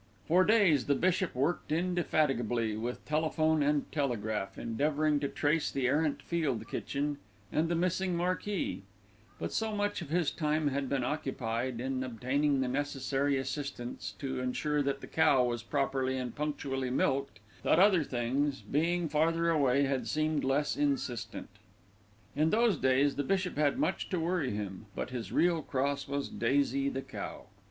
For days the bishop worked indefatigably with telephone and telegraph, endeavouring to trace the errant field kitchen and the missing marquee; but so much of his time had been occupied in obtaining the necessary assistance to ensure that the cow was properly and punctually milked, that other things, being farther away, had seemed less insistent. In those days the bishop had much to worry him; but his real cross was Daisy, the cow.